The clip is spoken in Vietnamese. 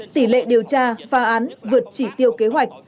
tỷ lệ điều tra phá án vượt chỉ tiêu kế hoạch